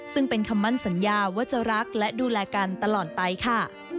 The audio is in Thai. ซึ่งเป็นคำมั่นสัญญาว่าจะรักและดูแลกันตลอดไปค่ะ